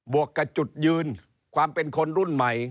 วกกับจุดยืนความเป็นคนรุ่นใหม่